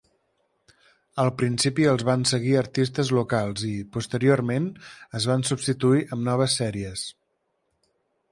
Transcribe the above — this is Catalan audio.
Al principi els van seguir artistes locals i, posteriorment, es van substituir amb noves sèries.